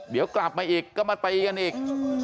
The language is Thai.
เดี๋ยวกลับมาอีกก็มาตีกันอีก